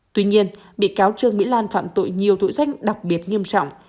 tuy nhiên bị cáo trương mỹ lan phạm tội nhiều thủ danh đặc biệt nghiêm trọng